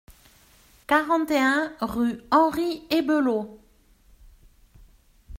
quarante et un rue Henri Ebelot